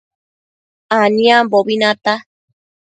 Aniambobi nata